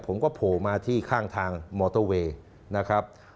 ผมก็โผล่มาที่ข้างทางมอเตอร์เวย์นะครับ